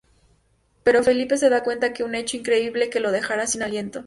Pero Felipe se da cuenta de un hecho increíble que lo dejará sin aliento.